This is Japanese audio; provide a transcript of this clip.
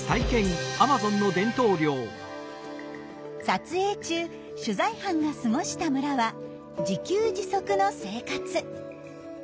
撮影中取材班が過ごした村は自給自足の生活。